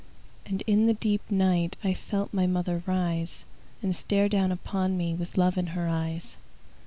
And in the deep night I felt my mother rise, And stare down upon me With love in her eyes.